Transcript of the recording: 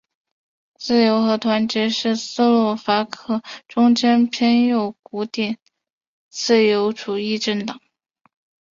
自由和团结是斯洛伐克中间偏右古典自由主义政党。